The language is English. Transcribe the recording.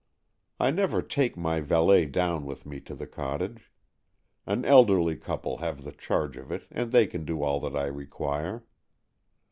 I never take my valet down with me to the cottage. An elderly couple have the charge of it, and they can do all that I require.